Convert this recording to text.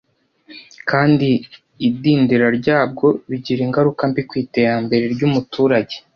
kandi idindira ryabwo bigira ingaruka mbi ku iterambere ry’umuturage